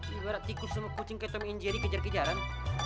ibarat tikus sama kucing kayak tommy injiri kejar kejaran